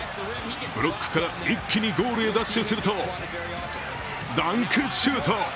ブロックから一気にゴールへダッシュするとダンクシュート！